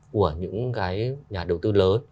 của những cái nhà đầu tư lớn